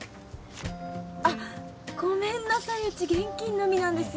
あっごめんなさいうち現金のみなんですよね。